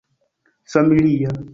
familia